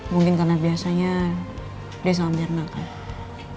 mungkin karena biasanya dia sama mirna kan